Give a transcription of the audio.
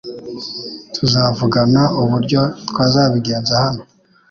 Tuzavuganauburyo twazabigeza hano .